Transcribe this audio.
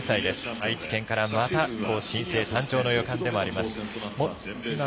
愛知県から、また新星誕生の予感でもあります。